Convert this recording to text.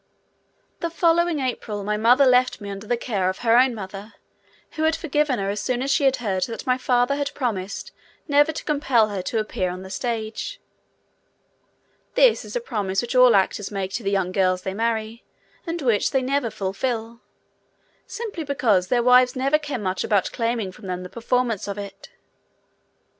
The following April my mother left me under the care of her own mother, who had forgiven her as soon as she had heard that my father had promised never to compel her to appear on the stage. This is a promise which all actors make to the young girls they marry, and which they never fulfil, simply because their wives never care much about claiming from them the performance of it.